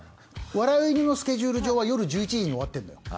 「笑う犬」のスケジュール上は夜１１時に終わってるのよ。